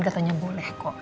katanya boleh kok